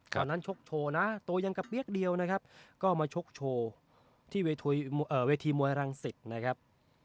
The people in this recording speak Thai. ชกโชว์นะตัวยังกระเปี๊ยกเดียวนะครับก็มาชกโชว์ที่เวทีมวยรังสิตนะครับ